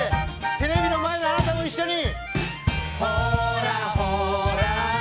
テレビの前のあなたも一緒に！